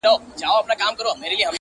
تور بخمل غوندي ځلېږې سر تر نوکه!